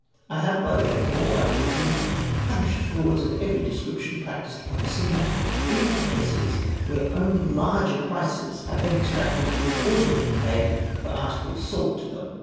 ... I have by the aid of a law I brought in, punished frauds of every descrip tion practised upon the seamen, even in cases where only larger prices have been exacted than ought to have been paid for articles sold to them.''